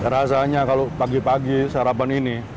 rasanya kalau pagi pagi sarapan ini